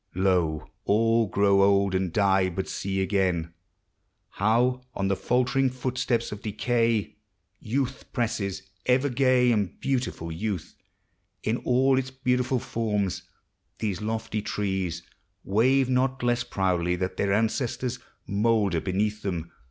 Lo! all grow old ami die; bul see again, How on the faltering footsteps of decaj V — 1 5 226 POEMS OF NATURE. Youth presses, — ever gay and beautiful youth In all its beautiful forms. These lofty trees Wave not less proudly that their ancestors Moulder beneath them.